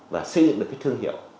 và xây dựng được thương hiệu